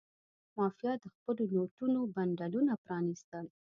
مافیا د خپلو نوټونو بنډلونه پرانستل.